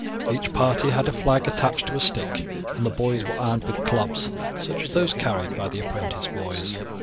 Each party had a flag attached to a stick, and the boys were armed with clubs such as those carried by the apprentice boys.